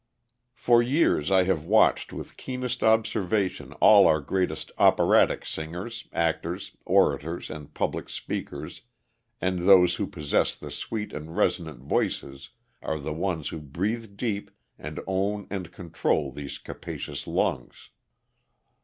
For years I have watched with keenest observation all our greatest operatic singers, actors, orators, and public speakers, and those who possess the sweet and resonant voices are the ones who breathe deep and own and control these capacious lungs.